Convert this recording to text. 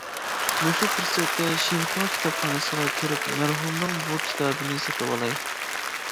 مۇشۇ پۇرسەتتە شىنخۇا كىتابخانىسىغا كىرىپ، مەرھۇمنىڭ بۇ كىتابىنى سېتىۋالاي.